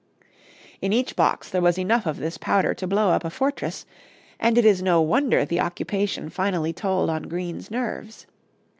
In each box there was enough of this powder to blow up a fortress, and it is no wonder the occupation finally told on Green's nerves.